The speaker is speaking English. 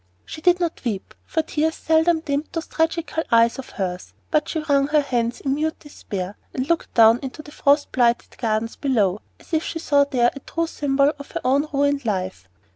She did not weep, for tears seldom dimmed those tragical eyes of hers; but she wrung her hands in mute despair, and looked down into the frost blighted gardens below, as if she saw there a true symbol of her own ruined life.